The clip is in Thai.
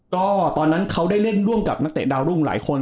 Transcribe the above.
ก็ตอนนั้นเขาได้เล่นร่วมกับนักเตะดาวรุ่งหลายคน